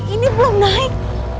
ini belum naik